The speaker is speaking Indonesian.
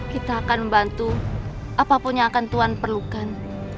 kita akan membantu apapun yang akan tuhan perlukan